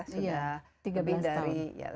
sudah tiga belas tahun